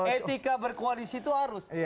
etika berkoalisi itu harus